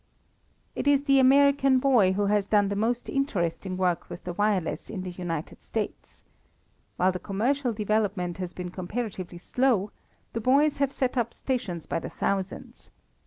It is the American boy who has done the most interesting work with the wireless in the United States. While the commercial development has been comparatively slow, the boys have set up stations by the thousands.